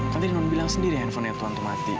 kan tadi non bilang sendiri handphonenya tuhan itu mati